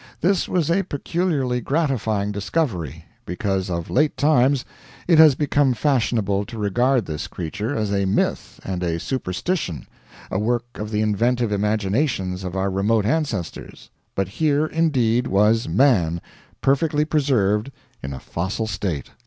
This was a peculiarly gratifying discovery, because of late times it has become fashionable to regard this creature as a myth and a superstition, a work of the inventive imaginations of our remote ancestors. But here, indeed, was Man, perfectly preserved, in a fossil state.